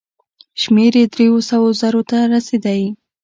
شمېر یې دریو سوو زرو تنو ته رسېدی.